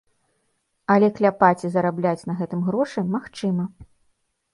Але кляпаць і зарабляць на гэтым грошы магчыма.